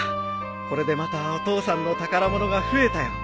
これでまたお父さんの宝物が増えたよ。